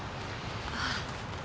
ああ。